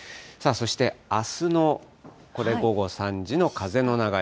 そしてあすの午後３時の風の流れ。